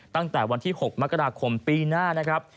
ตั้งแต่วันที่๖มกราคมปีหน้านะครับ